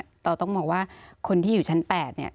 เราต้องมองว่าคนที่อยู่ชั้น๘เนี่ย